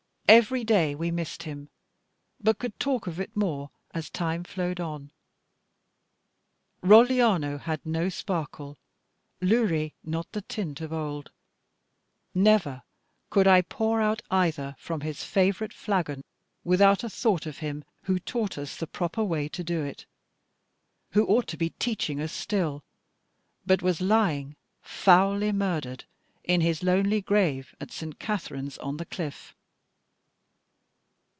Every day we missed him; but could talk of it more as time flowed on. Rogliano had no sparkle, Luri not the tint of old: never could I pour out either from his favourite flagon, without a thought of him who taught us the proper way to do it; who ought to be teaching us still, but was lying foully murdered in his lonely grave at St. Katharine's on the Cliff.